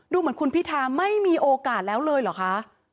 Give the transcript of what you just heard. เหมือนคุณพิธาไม่มีโอกาสแล้วเลยเหรอคะ